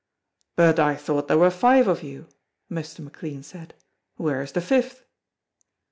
"But I thought there were five of you," Mr. McLean said; "where is the fifth?"